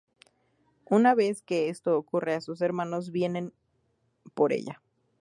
Una vez que esto ocurre a sus hermanos vienen a por ella.